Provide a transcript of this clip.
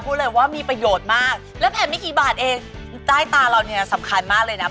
พูดเลยว่ามีประโยชน์มากแล้วแผ่นไม่กี่บาทเองใต้ตาเราเนี่ยสำคัญมากเลยนะ